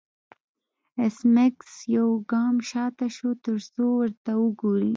ایس میکس یو ګام شاته شو ترڅو ورته وګوري